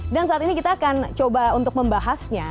dan saat ini kita akan coba untuk membahasnya